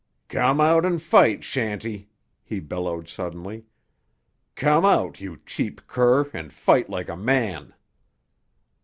"Come out and fight, Shanty!" he bellowed suddenly. "Come out, you cheap cur, and fight like a man!"